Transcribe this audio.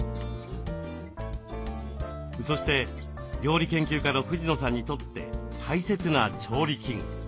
そして料理研究家の藤野さんにとって大切な調理器具。